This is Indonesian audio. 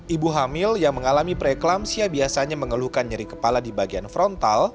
ibu hamil yang mengalami preeklampsia biasanya mengeluhkan nyeri kepala di bagian frontal